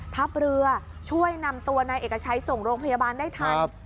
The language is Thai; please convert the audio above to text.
ทัพเรือช่วยนำตัวนายเอกชัยส่งโรงพยาบาลได้ทัน